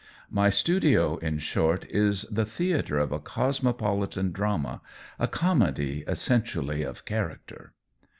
My studio, in short, is the theatre of a cosmopolite drama, a com edy essentially "of character."